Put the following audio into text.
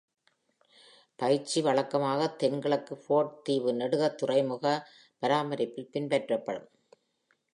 பயிற்சி வழக்கமாக தென்கிழக்கு Ford தீவு நெடுக துறைமுக பராமரிப்பில் பின்பற்றப்படும்.